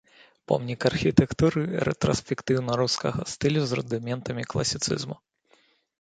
Помнік архітэктуры рэтраспектыўна-рускага стылю з рудыментамі класіцызму.